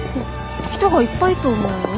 人がいっぱいと思うよ。